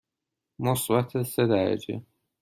مثبت سه درجه.